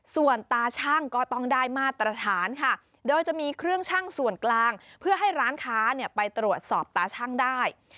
ส่วนกลางเพื่อให้ร้านค้าไปตรวจสอบตาช่างได้